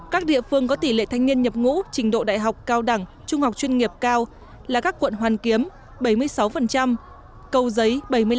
các địa phương có tỷ lệ thanh niên nhập ngũ trình độ đại học cao đẳng trung học chuyên nghiệp cao là các quận hoàn kiếm bảy mươi sáu cầu giấy bảy mươi sáu